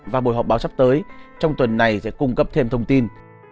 và buổi họp báo sắp tới trong tuần này sẽ cung cấp thêm thông tin